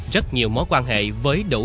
rất nhiều mối quan hệ với đủ